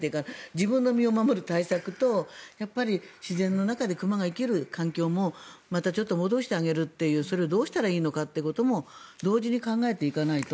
自分の身を守る対策と自然の中で熊が生きる環境もまたちょっと戻してあげるというそれをどうしたらいいのかというのも同時に考えていかないと。